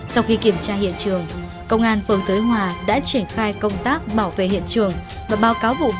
quy định điều tra ban đầu của các đội nghiệp vụ